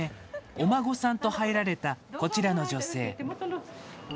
お孫さんと入られたこちらの女性。